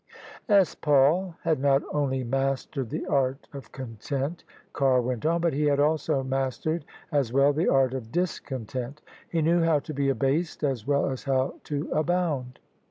"S. Paul had not only mastered the art of content," Carr went on, " but he had also mastered as well the art of discontent. He knew how to be abased as well as how to abound."